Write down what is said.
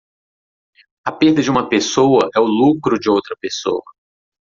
A perda de uma pessoa é o lucro de outra pessoa.